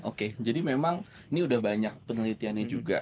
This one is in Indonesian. oke jadi memang ini udah banyak penelitiannya juga